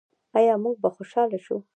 آیا موږ به خوشحاله شو؟